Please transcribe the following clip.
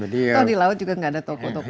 tau di laut juga gak ada toko toko